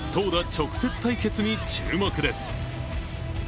直接対決に注目です。